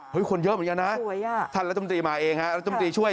คนเยอะเหมือนกันนะท่านรัฐมนตรีมาเองฮะรัฐมนตรีช่วย